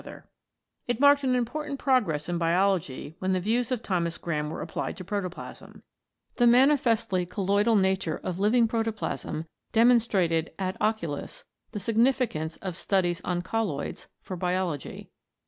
20 COLLOIDS IN PROTOPLASM It marked an important progress in Biology when the views of Thomas Graham were applied to protoplasm. The manifestly colloidal nature of living protoplasm demonstrated ad oculos the significance of studies on colloids for Biology.